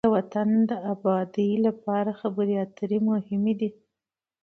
د وطن د آباد لپاره خبرې اترې مهمې دي.